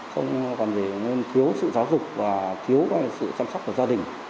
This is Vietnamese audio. không còn nên thiếu sự giáo dục và thiếu sự chăm sóc của gia đình